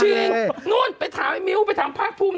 จริงนู้นไปถามไอ่โมีวไปถามภาคโทูม